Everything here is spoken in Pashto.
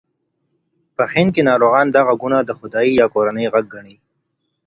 په هند کې ناروغان دا غږونه د خدای یا کورنۍ غږ ګڼي.